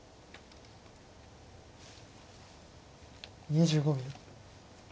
２５秒。